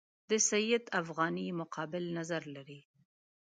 د سید افغاني مقابل نظر لري.